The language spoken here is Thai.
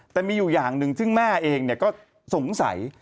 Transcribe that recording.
แต่มีอยู่อย่างหนึ่งซึ่งแม่เองก็สงสัย